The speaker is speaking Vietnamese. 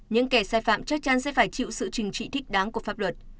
những kẻ sai phạm chắc chắn sẽ phải chịu sự trừng trị thích đáng của pháp luật